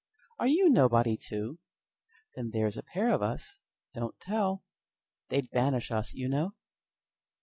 Are you nobody, too? Then there 's a pair of us—don't tell! They 'd banish us, you know.